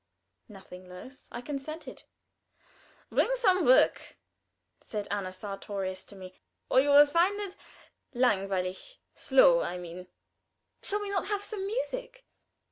Nothing loath, I consented. "Bring some work," said Anna Sartorius to me, "or you will find it langweilig slow, I mean." "Shall we not have some music?"